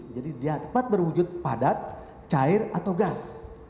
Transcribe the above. jadi dia dapat berwujud padat cair atau gas